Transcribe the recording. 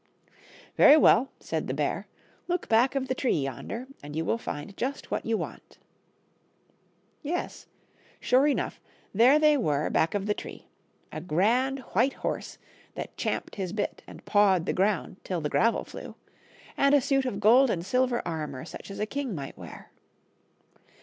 " Very well," said the bear, " look back of the tree yonder, and you will find just what you want." Yes; sure enough, there they were back of the tree: a grand white horse that champed his bit and pawed the ground till the gravel flew, and a suit of gold and silver armor such as a king might wear.